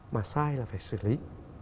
mà sai là phải xử lý